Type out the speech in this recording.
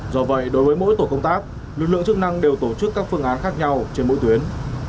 do vậy đối với mỗi tổ công tác lực lượng chức năng đều tổ chức các phương án khác nhau trên mỗi tuyến